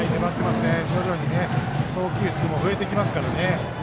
徐々に投球数も増えてきますからね。